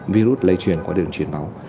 virus lây truyền qua đường truyền máu